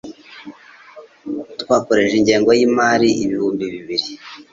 Twakoresheje ingengo yimari ibihumbi bibiri.